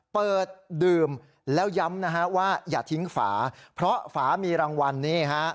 เปิดดื่มแล้วย้ำนะฮะว่าอย่าทิ้งฝาเพราะฝามีรางวัลนี่ฮะ